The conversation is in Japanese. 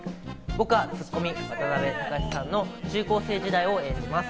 僕はツッコミ・渡辺隆さんの中高生時代を演じます。